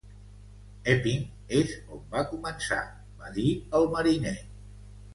"Epping és on va començar", va dir el mariner.